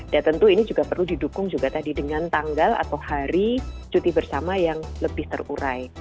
dan tentu ini juga perlu didukung juga tadi dengan tanggal atau hari cuti bersama yang lebih terurai